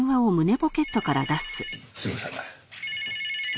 すいません。